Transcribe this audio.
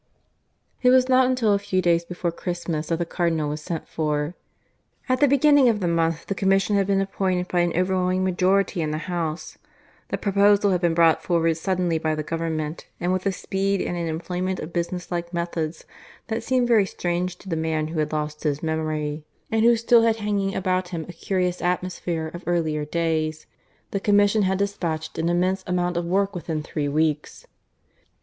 (II) It was not until a few days before Christmas that the Cardinal was sent for. At the beginning of the month the Commission had been appointed by an overwhelming majority in the House. The proposal had been brought forward suddenly by the Government, and with a speed and an employment of business like methods that seemed very strange to the man who had lost his memory, and who still had hanging about him a curious atmosphere of earlier days, the Commission had despatched an immense amount of work within three weeks.